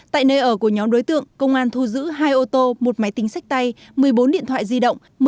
tại nơi ở của nhóm đối tượng công an thu giữ hai ô tô một máy tính sách tay một mươi bốn điện thoại di động